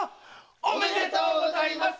おめでとうございます！